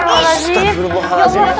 ustaz burung muhaladzim